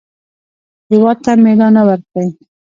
هېواد ته مېړانه ورکړئ